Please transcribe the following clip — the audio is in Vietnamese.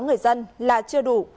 người dân là chưa đủ